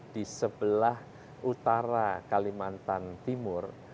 di sebelah utara kalimantan timur